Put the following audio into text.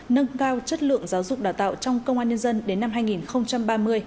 nâng cao chất lượng giáo dục đào tạo trong công an nhân dân đến năm hai nghìn ba mươi